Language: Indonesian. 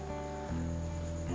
neng abah tuh peduli pisan sama neng